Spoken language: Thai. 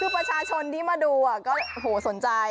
คือประชาชนที่มาดูก็สนใจ